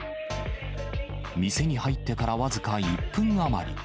店に入ってから僅か１分余り。